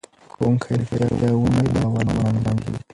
که ښوونکی رښتیا ونه وایي باور له منځه ځي.